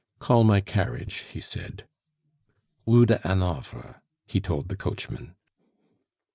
"Call my carriage," he said. "Rue de Hanovre," he told the coachman.